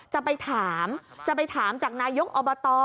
จะไปถามจะไปถามจากนายกอบต